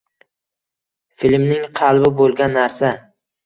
Filmning qalbi bo‘lgan narsa.